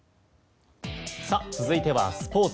続いてはスポーツ。